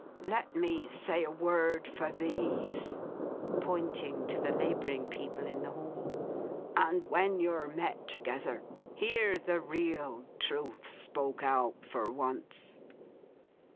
Let me say a word for these,' pointing to the labouring people in the Hall; 'and when you're met together, hear the real Truth spoke out for once.